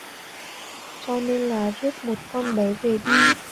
Cho nên là rước một con bé về đi